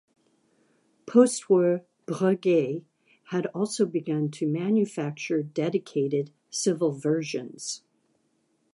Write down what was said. Postwar, Breguet had also begun to manufacture dedicated civil versions.